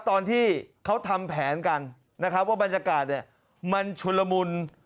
ตอนที่เขาทำแผนกันนะครับว่าบรรยากาศเนี่ยมันชุนละมุน